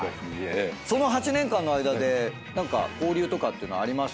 その８年間の間で何か交流とかっていうのありましたか？